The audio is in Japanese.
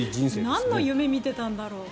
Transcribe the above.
なんの夢見てたんだろう。